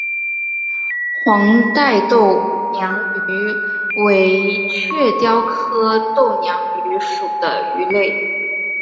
黄带豆娘鱼为雀鲷科豆娘鱼属的鱼类。